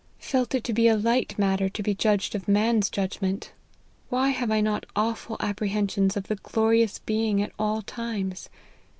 Felt it to be a light matter to be judged of man's judgment ; why have I not awful apprehensions of the glorious Being at all times